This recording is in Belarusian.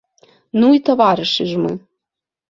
Ну і таварышы ж мы!